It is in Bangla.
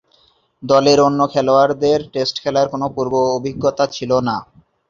দলের অন্য খেলোয়াড়দের টেস্ট খেলার কোন পূর্ব-অভিজ্ঞতা ছিল না।